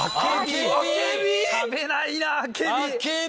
食べないなあけび。